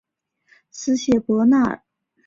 斯谢伯纳尔。